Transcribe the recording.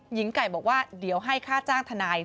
หญิงไก่บอกว่าเดี๋ยวให้ค่าจ้างทนาย